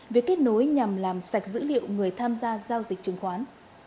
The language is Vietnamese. việc kết nối nhằm làm sạch dữ liệu người tham gia giao dịch chứng khoán